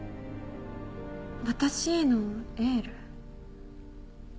私へのエール？